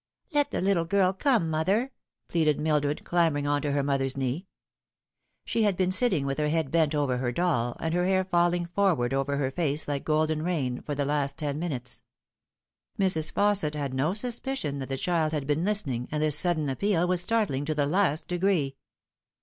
" Let the little girl come, mother," pleaded Mildred, clam bering on to her mother's knee. She had been sitting with her head bent over her doll, and her hair falling forward over her face like golden rain, for the last ten minutes. Mrs. Fausset had no suspicion that the child had been listening, and this sudden appeal was startling to the last degree.